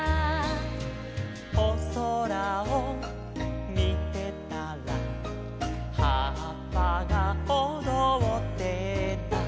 「おそらをみてたらはっぱがおどってた」